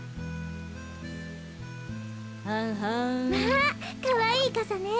まあかわいいかさね。